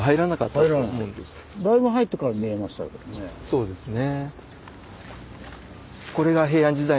そうですね。